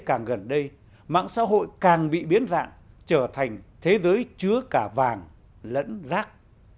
càng gần đây mạng xã hội càng bị biến dạng trở thành thế giới chứa cả vàng lẫn rác